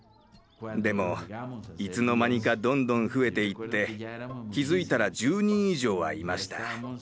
でもいつの間にかどんどん増えていって気付いたら１０人以上はいました。